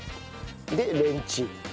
でレンチン。